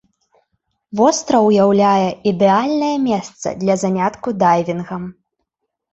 Востраў уяўляе ідэальнае месца для занятку дайвінгам.